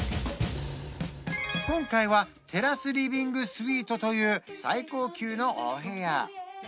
今回はテラスリビングスイートという最高級のお部屋